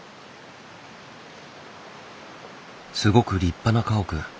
すごく立派な家屋。